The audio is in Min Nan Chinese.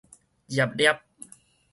廿粒